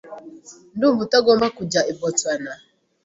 Ndumva utagomba kujya i Boston